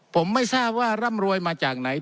ผมไม่ทราบว่าร่ำรวยมาจากไหน